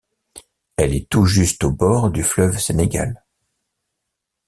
Elle est tout juste au bord du fleuve Sénégal.